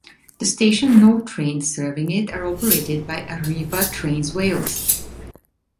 The station and all trains serving it are operated by Arriva Trains Wales.